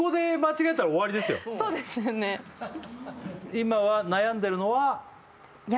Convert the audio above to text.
今は悩んでるのはいや